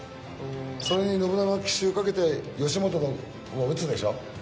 それに信長が奇襲かけて義元を討つでしょ。